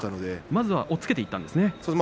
まずは押っつけていったんですね。